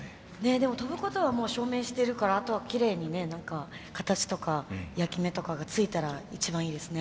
でも跳ぶことはもう証明してるからあとはきれいにね何か形とか焼き目とかがついたら一番いいですね。